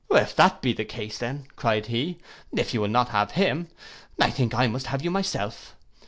'—'If that be the case then,' cried he, 'if you will not have him—I think I must have you myself.